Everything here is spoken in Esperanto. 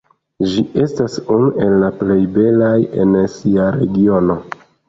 Ĝi estas unu el la plej belaj en sia regiono.